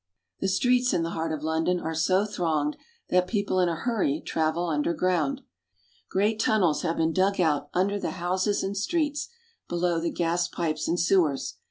The streets in the heart of London are so thronged that people in a hurry travel under ground. Great tunnels have been dug out under the houses and streets, below the gas pipes and sewers.